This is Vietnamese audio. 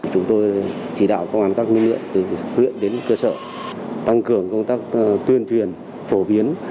chúng tôi chỉ đạo công an các lực lượng từ huyện đến cơ sở tăng cường công tác tuyên truyền phổ biến